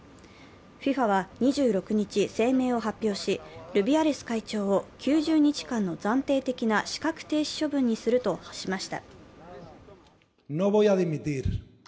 ＦＩＦＡは２６日、声明を発表しルビアレス会長を９０日間の暫定的な資格停止処分にするとしました。